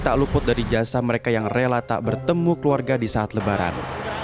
tak luput dari jasa mereka yang rela tak bertemu keluarga di saat lebaran